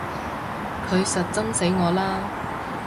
佢實憎死我啦！